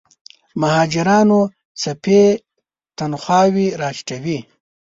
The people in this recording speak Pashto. مهاجرانو څپې تنخواوې راټیټوي.